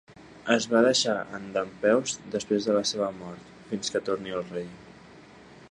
Es va deixar en dempeus després de la seva mort "fins que torni el rei".